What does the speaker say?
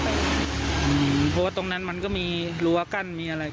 เพราะว่าตรงนั้นมันก็มีรั้วกั้นมีอะไร